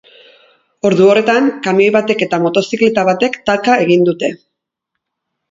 Ordu horretan, kamioi batek eta motozikleta batek talka egin dute.